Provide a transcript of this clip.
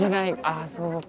あそうか。